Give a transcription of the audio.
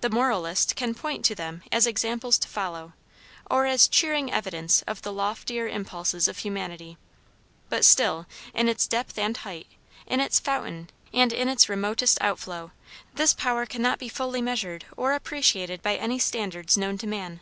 The moralist can point to them as examples to follow, or as cheering evidence of the loftier impulses of humanity. But still, in its depth and height, in its fountain, and in its remotest outflow, this power cannot be fully measured or appreciated by any standards known to man.